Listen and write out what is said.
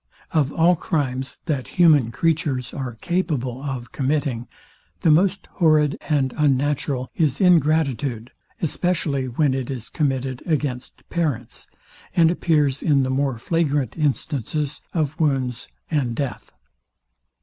Of all crimes that human creatures are capable of committing, the most horrid and unnatural is ingratitude, especially when it is committed against parents, and appears in the more flagrant instances of wounds and death.